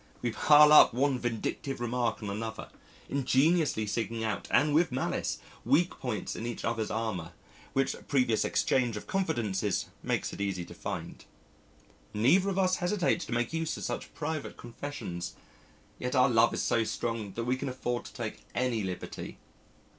We pile up one vindictive remark on another, ingeniously seeking out and with malice weak points in each other's armour, which previous exchange of confidences makes it easy to find. Neither of us hesitates to make use of such private confessions, yet our love is so strong that we can afford to take any liberty.